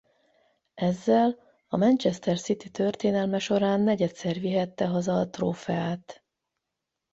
Ezzel a Manchester City történelme során negyedszer vihette haza a trófeát.